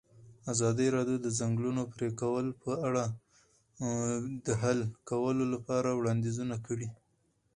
ازادي راډیو د د ځنګلونو پرېکول په اړه د حل کولو لپاره وړاندیزونه کړي.